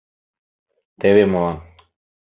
Теве молан: